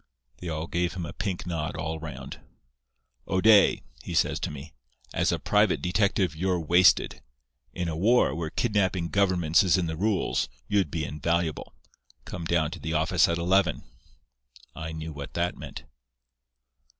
"They gave him a pink nod all round. "'O'Day,' he says to me. 'As a private detective you're wasted. In a war, where kidnapping governments is in the rules, you'd be invaluable. Come down to the office at eleven.' "I knew what that meant.